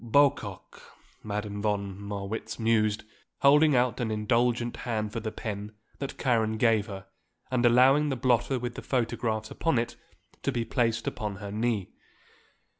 "Bocock," Madame von Marwitz mused, holding out an indulgent hand for the pen that Karen gave her and allowing the blotter with the photographs upon it to be placed upon her knee.